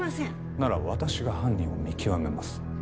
なら、私が犯人を見極めます。